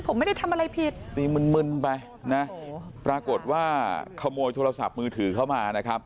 ผมไม่ได้ทำอะไรผิดนี่มึนมึนไปนะปรากฏว่าขโมยโทรศัพท์มือถือเข้ามานะครับ